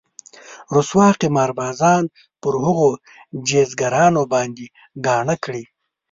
رسوا قمار بازان پر هغو جيزګرانو باندې ګاڼه کړي.